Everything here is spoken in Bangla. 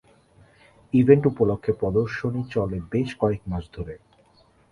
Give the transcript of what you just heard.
ইভেন্ট উপলক্ষে, প্রদর্শনী চলে বেশ কয়েক মাস ধরে।